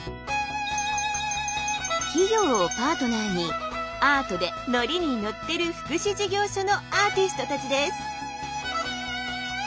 企業をパートナーにアートでノリに乗ってる福祉事業所のアーティストたちです。